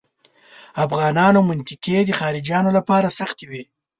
افغانانو منطقې د خارجیانو لپاره سختې وې.